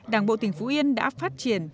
đảng bộ tỉnh phú yên đã phát triển